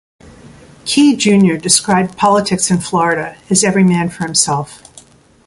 Key, Junior described politics in Florida as "every man for himself".